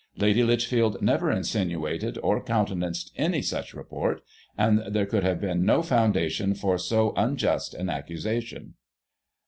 Lady Lichfield never insinuated, or coun tenanced any such report, and there could have been no foundation for so unjust an accusation."